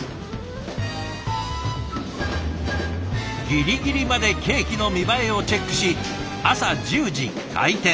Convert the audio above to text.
ギリギリまでケーキの見栄えをチェックし朝１０時開店。